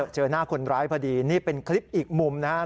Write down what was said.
เจอหน้าคนร้ายพอดีนี่เป็นคลิปอีกมุมนะครับ